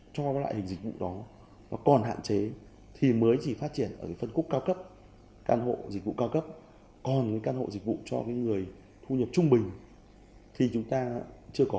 các dự án căn hộ dịch vụ cho người thu nhập trung bình thì chúng ta chưa có